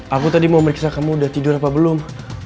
aku tadi mau meriksa kamu udah tidur apa belum